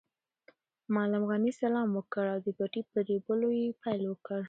معلم غني سلام وکړ او د پټي په رېبلو یې پیل وکړ.